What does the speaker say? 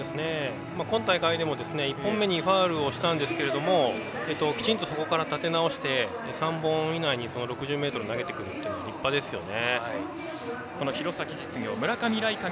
今大会でも１本目にファウルをしたんですけどきちんと立て直して２３本以内に６０ｍを投げてくるって立派ですよね。